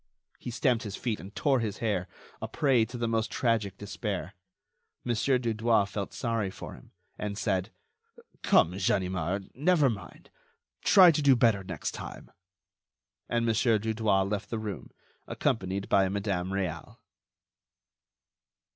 He stamped his feet and tore his hair—a prey to the most tragic despair. Mon. Dudouis felt sorry for him, and said: "Come, Ganimard, never mind; try to do better next time." And Mon. Dudouis left the room, accompanied by Madame Réal.